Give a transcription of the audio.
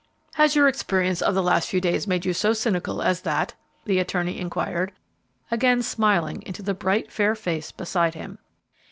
"Has your experience of the last few days made you so cynical as that?" the attorney inquired, again smiling into the bright, fair face beside him.